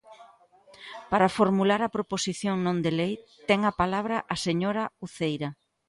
Para formular a proposición non de lei ten a palabra a señora Uceira.